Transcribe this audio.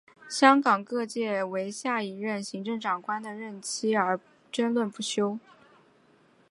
香港各界为下一任行政长官的任期而争论不休。